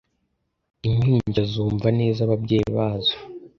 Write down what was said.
Impinja zumva neza ababyeyi bazo